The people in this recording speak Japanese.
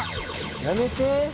やめて！